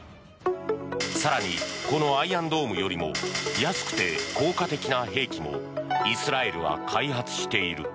更にこのアイアンドームよりも安くて効果的な兵器もイスラエルは開発している。